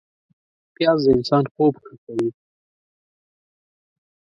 پیاز د انسان خوب ښه کوي